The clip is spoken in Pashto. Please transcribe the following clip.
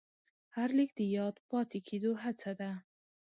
هر لیک د یاد پاتې کېدو هڅه ده.